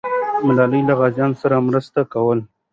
ملالۍ له غازیانو سره مرسته کوله.